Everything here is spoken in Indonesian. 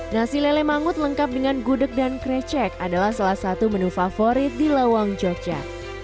nasi lele mangut lengkap dengan gudeg dan krecek adalah salah satu menu favorit di lawang jogja